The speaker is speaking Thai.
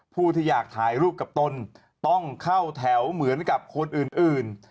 ผู้ที่อยากถ่ายรูปกับตนต้องเข้าแถวเหมือนกับคนอื่น